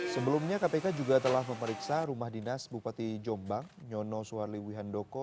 sebelumnya kpk juga telah memeriksa rumah dinas bupati jombang nyono suarli wihandoko